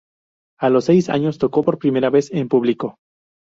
A los seis años tocó por primera vez en público.